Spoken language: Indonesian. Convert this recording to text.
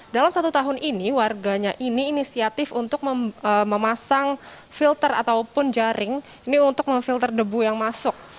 dalam satu tahun ini warganya ini inisiatif untuk memasang filter ataupun jaring ini untuk memfilter debu yang masuk